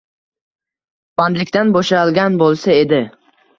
Bandilikdan bo’shalgan bo’lsa edi.